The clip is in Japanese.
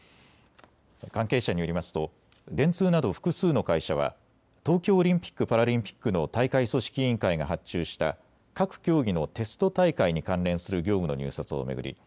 関係者によりますと電通など複数の会社は東京オリンピック・パラリンピックの大会組織委員会が発注した各競技のテスト大会に関連する業務の入札を巡り